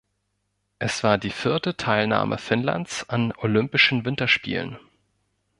Es war die vierte Teilnahme Finnlands an Olympischen Winterspielen.